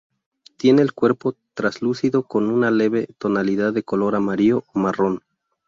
Tiene el cuerpo traslúcido con una leve tonalidad de color amarillo o marrón.